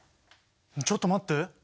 ちょっと待って！